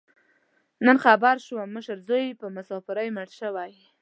نن خبر شوم، مشر زوی یې په مسافرۍ مړ شوی.